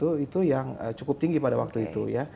itu yang cukup tinggi pada waktu itu ya